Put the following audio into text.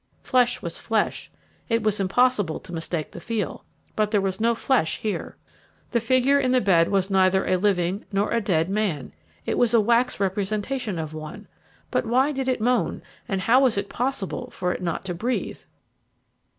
Flesh was flesh, it was impossible to mistake the feel, but there was no flesh here. The figure in the bed was neither a living nor a dead man, it was a wax representation of one; but why did it moan, and how was it possible for it not to breathe?